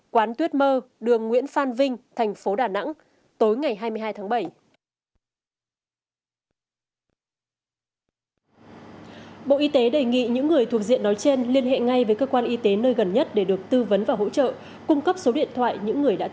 quán tuyết mơ đường nguyễn phan vinh tp đà nẵng tối ngày hai mươi hai tháng bảy